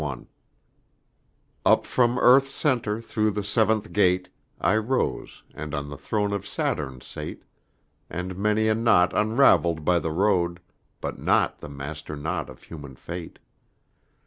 Up from Earth's Centre through the Seventh Gate I rose, and on the Throne of Saturn sate, And many a Knot unravel'd by the Road; But not the Master knot of Human Fate.